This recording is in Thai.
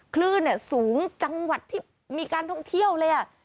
คลื่นสูงจังหวัดที่มีการท่องเที่ยวเลยอ่ะ